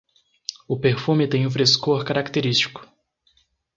O perfume tem um frescor característico